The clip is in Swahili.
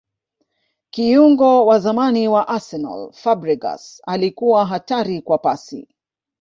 kiungo wa zamani wa arsenal fabregas alikuwa hatari kwa pasi